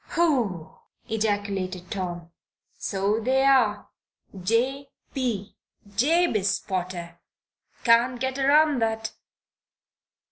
"Whew!" ejaculated Tom. "So they are. 'J. P. Jabez Potter.' Can't get around that."